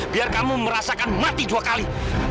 biar kamu merasakan mati dua kali